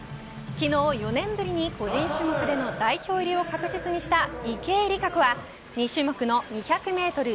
昨日、４年ぶりに個人種目での代表入りを確実にした池江璃花子は２種目の２００メートル